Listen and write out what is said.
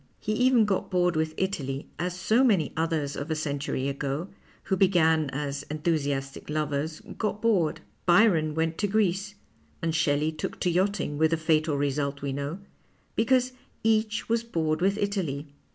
He even got bored with Italy, as so many others of a century ago, who began as enthusiastic lovers, got bored. Byron went to Greece — and Shelley took to yachting with the fatal result we know — because each was bored with Italy.